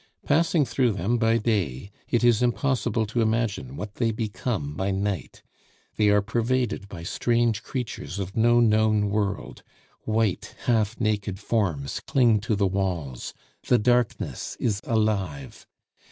Passing through them by day, it is impossible to imagine what they become by night; they are pervaded by strange creatures of no known world; white, half naked forms cling to the walls the darkness is alive.